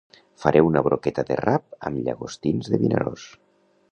Faré una broqueta de rap amb llagostins de Vinaròs